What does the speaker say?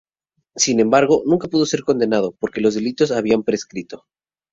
Sin embargo, nunca pudo ser condenado porque los delitos habían prescrito.